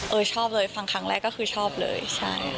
ชอบเลยฟังครั้งแรกก็คือชอบเลยใช่